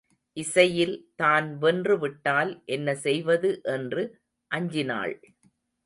இசையில் தான் வென்று விட்டால் என்ன செய்வது என்று அஞ்சினாள்.